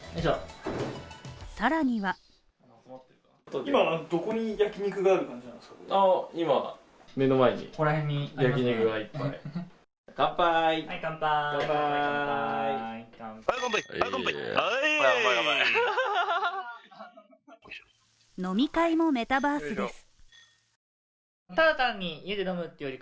さらには飲み会もメタバースです。